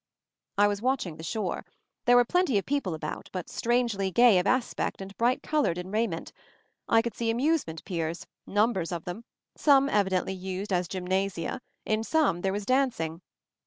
I was watching the shore. There were plenty of people about, but strangely gay of aspect and bright colored in raiment. I could see amusement piers — numbers of them — some evidently used as gymnasia, in some there was dancing.